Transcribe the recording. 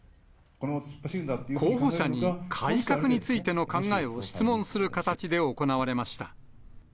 候補者に改革についての考えを質問する形で行われました。